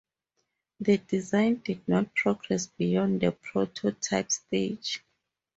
The design did not progress beyond the prototype stage.